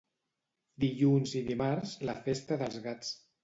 Dilluns i dimarts, la festa dels gats.